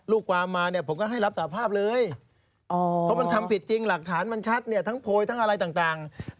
ลูกความมาเนี่ยผมก็ให้รับสาภาพเลยเพราะมันทำผิดจริงหลักฐานมันชัดเนี่ยทั้งโพยทั้งอะไรต่าง